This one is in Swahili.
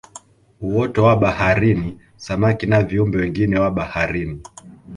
Uoto wa baharini samaki na viumbe wengine wa baharini